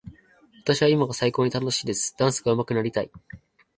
私は今が最高に楽しいです。ダンスがうまくなりたい。